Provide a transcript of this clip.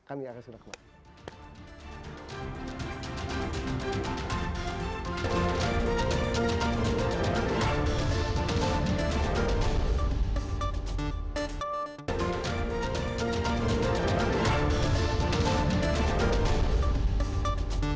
kami akan sudah kemarin